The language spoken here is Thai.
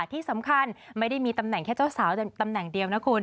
ที่สำคัญไม่ได้มีตำแหน่งแค่เจ้าสาวตำแหน่งเดียวนะคุณ